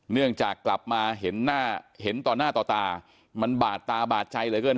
เนื่องจากกลับมาเห็นต่อหน้าต่อตามันบาดตาบาดใจเลยเกิน